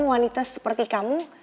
wanita seperti kamu